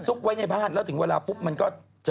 ไว้ในบ้านแล้วถึงเวลาปุ๊บมันก็จะ